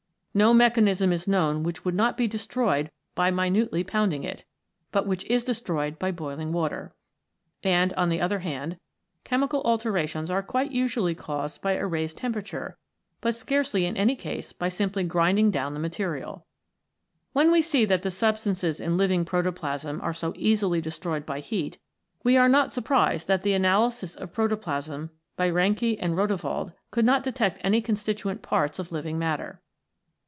No mechanism is known which would not be destroyed by minutely pounding it, but which is destroyed by boiling water. And, on the other hand, chemical alterations are quite usually caused by a raised temperature, but scarcely in any case by simply grinding down the material. When we see that the substances in living protoplasm are so easily destroyed by heat, we are not surprised that the analysis of protoplasm by Reinke and Rodewald could not detect such constituent parts of living matter.